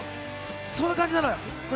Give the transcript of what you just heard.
その感じなのよ。